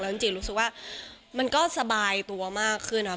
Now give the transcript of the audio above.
จริงรู้สึกว่ามันก็สบายตัวมากขึ้นเนาะ